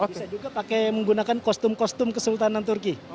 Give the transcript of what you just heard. bisa juga pakai menggunakan kostum kostum kesultanan turki